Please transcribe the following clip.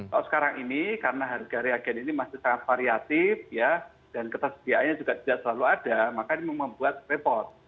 kalau sekarang ini karena harga reagen ini masih sangat variatif dan ketersediaannya juga tidak selalu ada maka ini membuat repot